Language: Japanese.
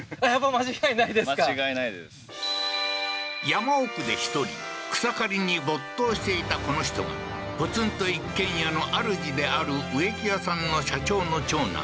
山奥で１人草刈りに没頭していたこの人がポツンと一軒家のあるじである植木屋さんの社長の長男